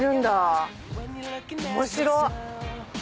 面白っ。